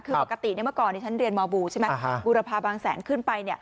คือปกติเมื่อก่อนฉันเรียนมบูรพาบางแสนขึ้นไป